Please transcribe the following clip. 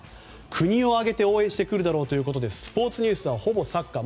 国を挙げて応援してくるということでスポーツニュースはほぼサッカー。